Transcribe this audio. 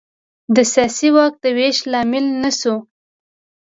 د سیاسي واک د وېش لامل نه شو.